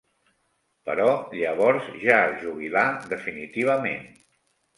Però, llavors ja es jubilà definitivament.